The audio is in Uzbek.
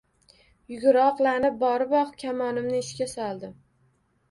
Yuguroqlanib boriboq, kamonimni ishga soldim